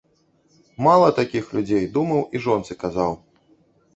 Мала такіх людзей, думаў і жонцы казаў.